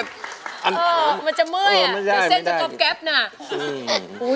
เอ่อมันจะเมื่อยอะหนูเซ็นต์ก็ต้มแก๊บหน่ะโอ้ไม่ได้ไม่ได้